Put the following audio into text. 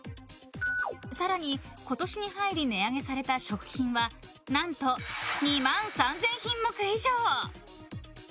更に、今年に入り値上げされた食品は何と２万３０００品目以上。